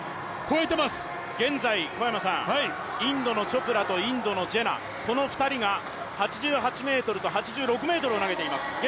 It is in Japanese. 現在インドのチョプラとインドのジェナ、この２人が８８ｍと８６ｍを投げています